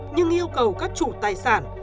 nhưng yêu cầu các chủ tài sản